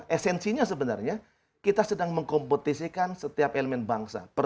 esensinya sebenarnya kita sedang mengkompetisikan setiap elemen bangsa